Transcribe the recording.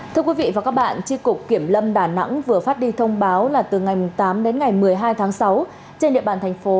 thưa quý vị và các bạn tri cục kiểm lâm đà nẵng vừa phát đi thông báo là từ ngày tám đến ngày một mươi hai tháng sáu trên địa bàn thành phố